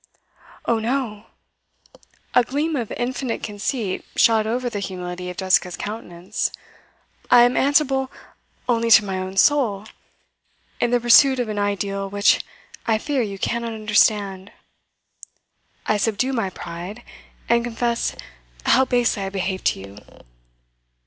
'Oh no!' A gleam of infinite conceit shot over the humility of Jessica's countenance. 'I am answerable only to my own soul. In the pursuit of an ideal which I fear you cannot understand, I subdue my pride, and confess how basely I behaved to you.